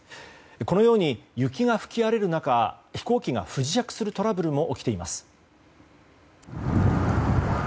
このように雪が吹き荒れる中飛行機が不時着するトラブルも起きています。